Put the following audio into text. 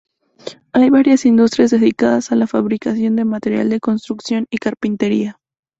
Hay varias industrias dedicadas a la fabricación de material de construcción y carpintería.